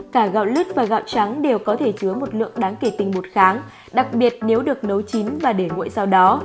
cả gạo lứt và gạo trắng đều có thể chứa một lượng đáng kể tình một kháng đặc biệt nếu được nấu chín và để nguội sau đó